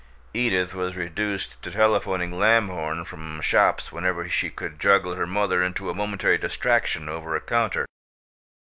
Edith was reduced to telephoning Lamhorn from shops whenever she could juggle her mother into a momentary distraction over a counter.